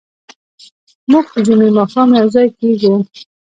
موږ د جمعې ماښام یوځای کېږو.